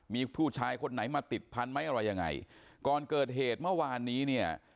มีผู้ชายคนไหนมาติดพันธุ์ไหมอะไรยังไงก่อนเกิดเหตุเมื่อวานนี้เนี่ย